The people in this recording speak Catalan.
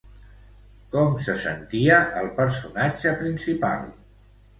Com se sentia el personatge principal?